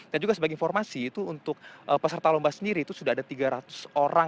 dan juga sebagai informasi itu untuk peserta lomba sendiri itu sudah ada tiga ratus orang